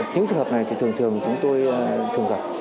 những trường hợp này thì thường thường chúng tôi thường gặp